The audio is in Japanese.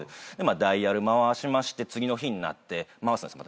ダイヤル回しまして次の日になって回したんですよ